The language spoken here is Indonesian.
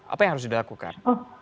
apa yang harus dilakukan